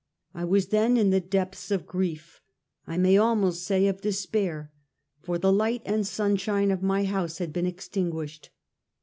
I was then in the depths of grief — I may almost say of despair, for the light and sunshine of my house had been extinguished.